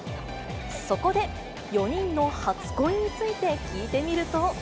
そこで４人の初恋について聞いてみると。